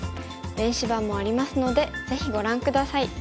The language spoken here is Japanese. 電子版もありますのでぜひご覧下さい。